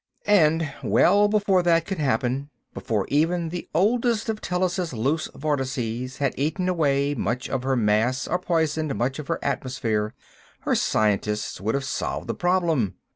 And well before that could happen—before even the oldest of Tellus' loose vortices had eaten away much of her mass or poisoned much of her atmosphere, her scientists would have solved the problem.